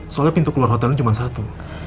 soalnya pintu keluar hotelnya cuma satu